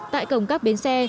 tại cổng các bến xe